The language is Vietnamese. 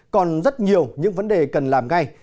còn rất nhiều những vấn đề cần làm ngay